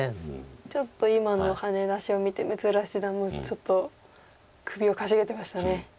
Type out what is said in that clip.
ちょっと今のハネ出しを見て六浦七段もちょっと首をかしげてましたね。